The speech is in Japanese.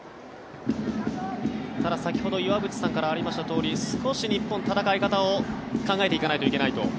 ただ、先ほど岩渕さんからありましたとおり少し日本は戦い方を考えていかないといけないと。